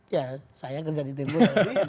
ya saya kerja di tembo